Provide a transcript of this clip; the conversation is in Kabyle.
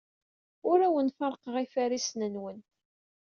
Ur awen-ferrqeɣ ifarisen-nwen.